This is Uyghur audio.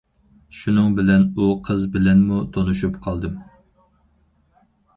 شۇنىڭ بىلەن ئۇ قىز بىلەنمۇ تونۇشۇپ قالدىم.